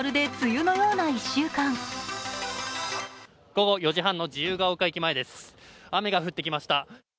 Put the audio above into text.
雨が降ってきました。